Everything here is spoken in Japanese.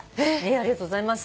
ありがとうございます。